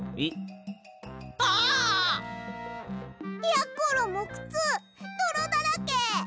やころもクツどろだらけ！